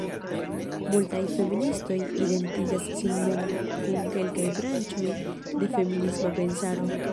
Multaj feministoj identigas sin mem kun kelkaj branĉoj de feminisma pensaro.